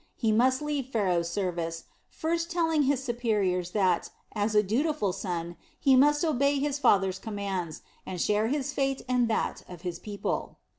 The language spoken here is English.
He must leave Pharaoh's service, first telling his superiors that, as a dutiful son, he must obey his father's commands, and share his fate and that of his people.